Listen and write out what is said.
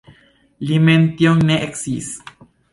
Li mem tion ne sciis.